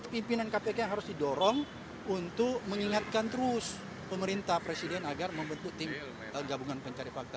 pimpinan kpk yang harus didorong untuk mengingatkan terus pemerintah presiden agar membentuk tim gabungan pencari fakta